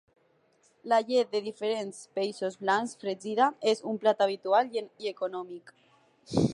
La llet de diferents peixos blancs fregida és un plat habitual i econòmic.